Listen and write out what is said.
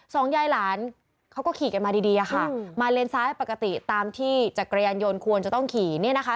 ยายหลานเขาก็ขี่กันมาดีดีอะค่ะมาเลนซ้ายปกติตามที่จักรยานยนต์ควรจะต้องขี่เนี่ยนะคะ